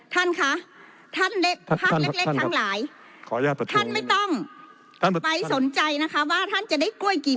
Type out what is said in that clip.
ท่านครับท่านผ้าเล็กชั้นหลายท่านไม่ต้องไปสนใจนะคะว่าท่านจะได้กล้วยขึ้นกี่